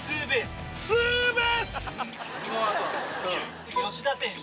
次吉田選手。